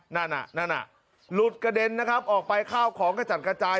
นั่นน่ะนั่นน่ะหลุดกระเด็นนะครับออกไปข้าวของกระจัดกระจาย